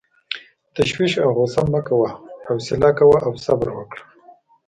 تشویش او غصه مه کوه، حوصله کوه او صبر وکړه.